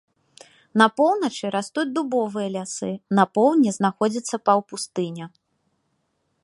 На поўначы растуць дубовыя лясы, на поўдні знаходзіцца паўпустыня.